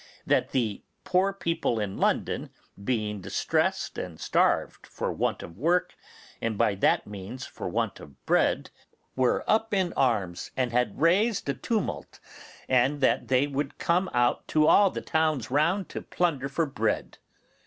that the poor people in London, being distressed and starved for want of work, and by that means for want of bread, were up in arms and had raised a tumult, and that they would come out to all the towns round to plunder for bread.